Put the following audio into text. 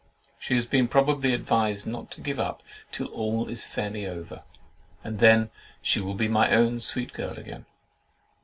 She has been probably advised not to give up till all is fairly over, and then she will be my own sweet girl again.